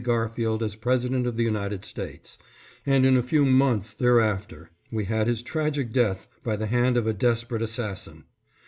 Garfield as President of the United States, and in a few months thereafter we had his tragic death by the hand of a desperate assassin.